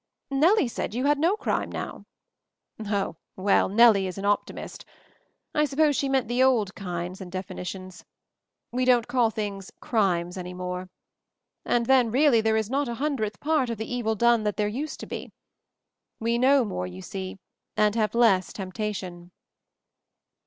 "Nellie said you had no crime now." "Oh, well, Nellie is an optimist. I sup pose she meant the old kinds and definitions. We don't call things 'crimes' any more. And then, really, there is not a hundredth part of the evil done that there used to be. We know more, you see, and have less tempta tion."